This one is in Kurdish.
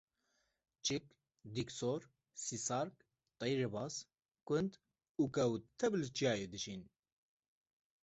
çik, dîksor, sîsark, teyrê baz, kund û kew tev li çiyayê dijîn